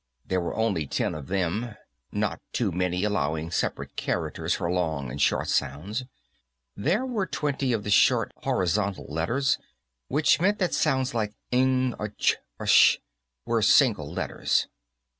There were only ten of them; not too many, allowing separate characters for long and short sounds. There were twenty of the short horizontal letters, which meant that sounds like ng or ch or sh were single letters.